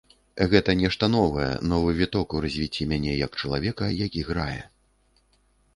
Гэта нешта новае, новы віток у развіцці мяне як чалавека, які грае.